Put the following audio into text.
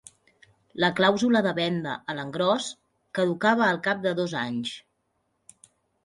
La clàusula de venda a l'engròs caducava al cap de dos anys.